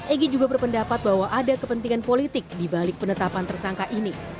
egy juga berpendapat bahwa ada kepentingan politik dibalik penetapan tersangka ini